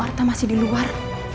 om arta masih di luar